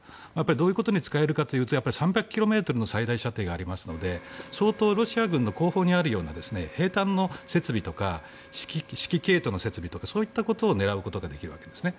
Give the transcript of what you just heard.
どういうことに使えるかというと３００ｋｍの最大射程がありますので相当、ロシア軍の後方にあるような兵たんの設備とか指揮系統の設備とかそういったところを狙うことができるわけですね。